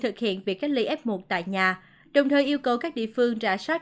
thực hiện việc cách ly f một tại nhà đồng thời yêu cầu các địa phương rã sát